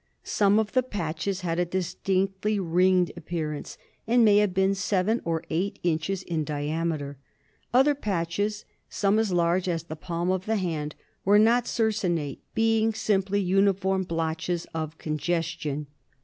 Some of the patches had a distinctly ringed appearance, and may have been seven or eight inches in diameter ; other patches, some as large as the palm of the hand, were not circinate, being simply uniform blotches of congestion.